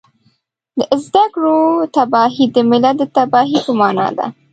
د زده کړو تباهي د ملت د تباهۍ په مانا ده